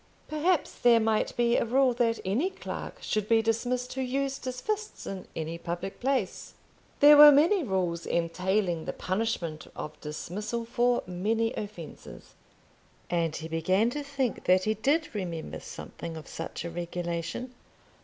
Perhaps there might be a rule that any clerk should be dismissed who used his fists in any public place. There were many rules entailing the punishment of dismissal for many offences, and he began to think that he did remember something of such a regulation.